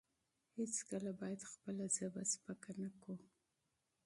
هیڅکله باید خپله ژبه سپکه نه کړو.